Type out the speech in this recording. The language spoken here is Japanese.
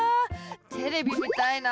テレビ見たいな。